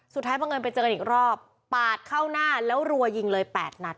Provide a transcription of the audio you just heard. พี่แขนน๊ะนั่งได้ไหมนั่งได้ถ้าพี่ไหวอย่านั่งได้